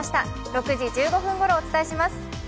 ６時１５分ごろお伝えします。